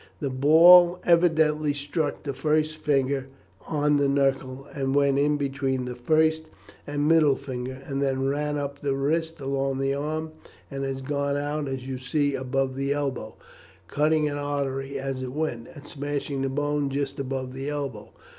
"The ball evidently struck the first finger on the knuckle, and went in between the first and middle finger and then ran up the wrist and along the arm, and has gone out, as you see above the elbow, cutting an artery as it went, and smashing the bone just above the elbow.